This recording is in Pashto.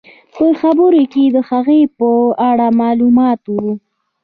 په خبرونو کې د هغې په اړه معلومات وو.